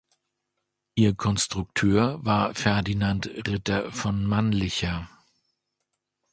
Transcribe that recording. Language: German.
Ihr Konstrukteur war Ferdinand Ritter von Mannlicher.